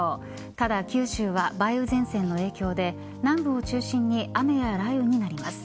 ただ九州は梅雨前線の影響で南部を中心に雨や雷雨になります